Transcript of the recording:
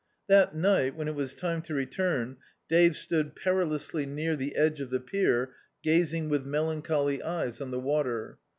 That night, when it was time to return Dave stood perilously near the edge of the pier, gazing with melancholy eyes on the water.